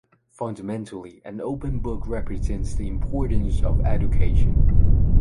Fundamentally, an open book represents the importance of education.